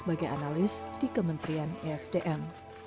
sebagai analis di kementerian esdm